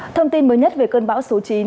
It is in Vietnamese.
thông tin mới nhất về cơn bão số chín